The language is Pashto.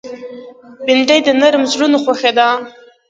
بېنډۍ د نرم زړونو خوښه ده